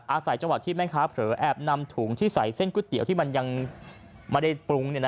อาศัยจังหวะที่แม่ค้าเผลอแอบนำถุงที่ใส่เส้นก๋วยเตี๋ยวที่มันยังไม่ได้ปรุง